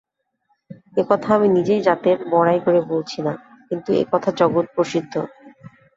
এ-কথা আমি নিজের জাতের বড়াই করে বলছি না, কিন্তু এ-কথা জগৎপ্রসিদ্ধ।